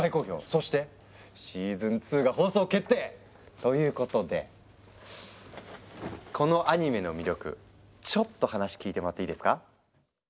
そしてシーズン２が放送決定！ということでこのアニメの魅力ちょっと話聞いてもらっていいですか？